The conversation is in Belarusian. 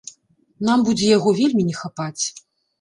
Нам будзе яго вельмі не хапаць.